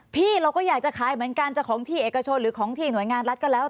พี่เราก็อยากจะขายเหมือนกันจะของที่เอกชนหรือของที่หน่วยงานรัฐก็แล้ว